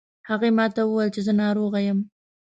هغې ما ته وویل چې زه ناروغه یم